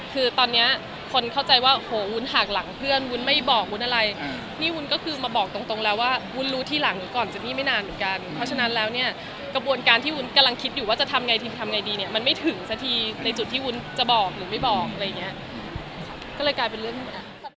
คือตอนนี้คนเข้าใจว่าโอ้โหวุ้นหากหลังเพื่อนวุ้นไม่บอกวุ้นอะไรนี่วุ้นก็คือมาบอกตรงแล้วว่าวุ้นรู้ทีหลังหรือก่อนจะนี่ไม่นานเหมือนกันเพราะฉะนั้นแล้วเนี่ยกระบวนการที่วุ้นกำลังคิดอยู่ว่าจะทำไงถึงทำไงดีเนี่ยมันไม่ถึงสักทีในจุดที่วุ้นจะบอกหรือไม่บอกอะไรอย่างเงี้ยก็เลยกลายเป็นเรื่องหมด